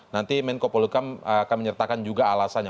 nanti menko polukam akan menyertakan juga alasannya